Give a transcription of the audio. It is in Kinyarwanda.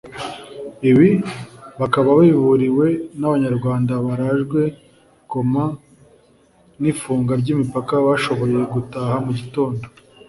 ibi bakaba babiburiwe n’Abanyarwanda barajwe Goma n’ifunga ry’imipaka bashoboye gutaha mu gitondo